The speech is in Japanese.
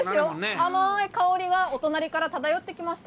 甘い香りがお隣から漂ってきました。